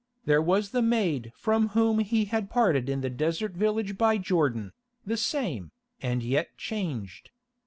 There was the maid from whom he had parted in the desert village by Jordan, the same, and yet changed.